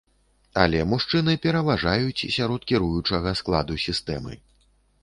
Але мужчыны пераважаюць сярод кіруючага складу сістэмы.